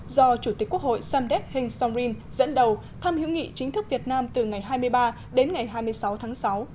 do chủ tịch quốc hội samdek heng somrin dẫn đầu thăm hữu nghị chính thức việt nam từ ngày hai mươi ba đến ngày hai mươi sáu tháng sáu